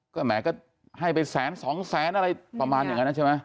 ก็แหมก็ให้ไปแสนสองแสนอะไรประมาณอย่างนั้นนะใช่ไหม